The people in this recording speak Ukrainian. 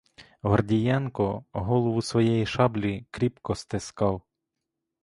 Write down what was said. Гордієнко голову своєї шаблі кріпко стискав.